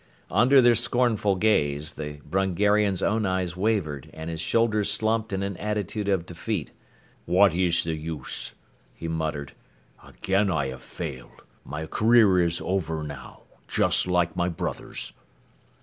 Under their scornful gaze, the Brungarian's own eyes wavered and his shoulders slumped in an attitude of defeat. "What is the use?" he muttered. "Again I have failed. My career is over now, just like my brother's."